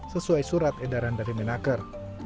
sesuai surat edaran dari menaker